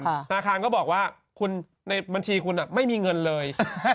ธนาคารก็บอกว่าคุณในบัญชีคุณไม่มีเงินเลย